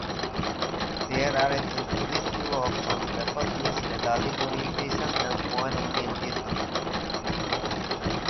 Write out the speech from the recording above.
There are essentially two options, referred to as "medallic orientation" and "coin orientation".